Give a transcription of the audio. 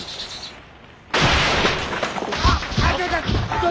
あっ！